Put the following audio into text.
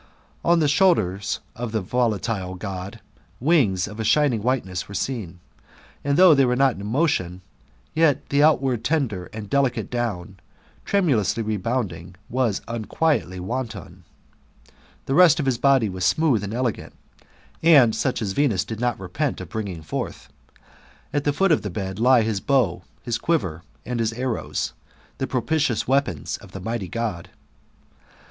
On the shoulders of the volatile God, v.lngs of a shining whiteness were seen ; and though they were not in motion, yet the outward tender and delicate down, tremulously rebounding, was unquietly wanton. The rest oi hii i^ody was smooth and elegant, and such as Venus did not repent of bringing forth. At the foot of the bed lay his bow, his quiver, and his arrows, the propitious weapons of the mighty God.